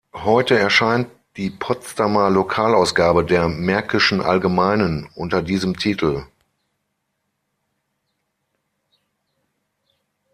Heute erscheint die Potsdamer Lokalausgabe der "Märkischen Allgemeinen" unter diesem Titel.